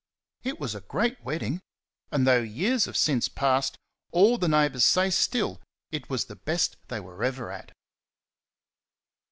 It was a great wedding; and though years have since passed, all the neighbours say still it was the best they were ever at.